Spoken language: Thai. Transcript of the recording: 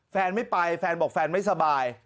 แฟนไม่ไปแฟนบอกแฟนไม่สบาย